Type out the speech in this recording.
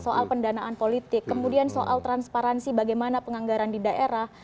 soal pendanaan politik kemudian soal transparansi bagaimana penganggaran di daerah